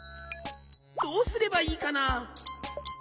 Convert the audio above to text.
どうすればいいかな？